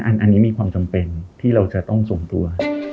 อันนี้มีความจำเป็นที่เราจะต้องส่งตัว